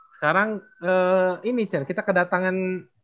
sekarang ini kita kedatangan